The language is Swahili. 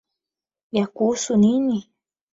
Yakuhusu nini?